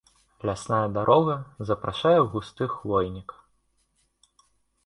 Лясная дарога запрашае ў густы хвойнік.